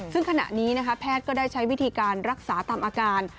ซึ่งขณะนี้แพทย์ก็ได้ใช้วิธีการรักษาตามอาการ